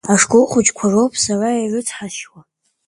Ашколхәыҷқәа роуп сара ирыцҳасшьауа.